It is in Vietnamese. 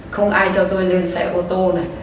không ai cho tôi lên xe ô tô này